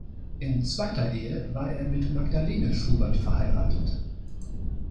In zweiter Ehe war er mit Magdalene Schubert verheiratet.